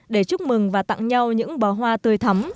để chúc mừng và tặng nhau những bó hoa tươi thắm